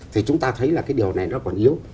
thì chúng ta thấy là cái điều này nó còn yếu